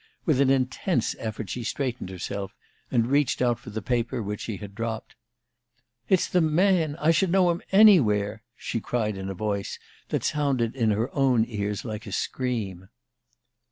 With an intense effort she straightened herself, and reached out for the paper, which she had dropped. "It's the man! I should know him anywhere!" she cried in a voice that sounded in her own ears like a scream.